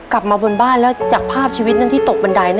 กลับมาบนบ้านแล้วจากภาพชีวิตนั้นที่ตกบันได